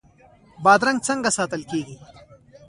بادرنګ څنګه ساتل کیږي؟